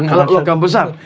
kalau logam besar